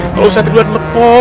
pak ustadz terlalu melepon